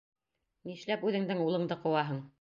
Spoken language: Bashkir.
Нишләп үҙеңдең улыңды кыуаһың?